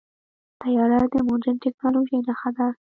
طیاره د مدرن ټیکنالوژۍ نښه ده.